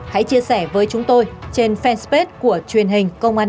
hãy chia sẻ với chúng tôi trên fanpage của truyền hình công ty